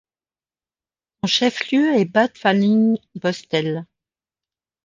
Son chef-lieu est Bad Fallingbostel.